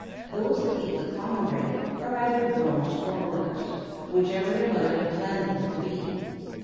Those that eat the common bread are either Drones or Workers, whichever their mother had planned them to be.